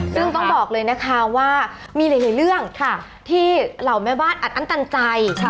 ซึ่งต้องบอกเลยนะคะว่ามีหลายเรื่องที่เหล่าแม่บ้านอัดอั้นตันใจ